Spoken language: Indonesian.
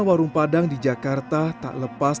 warung padang di jakarta tak lepas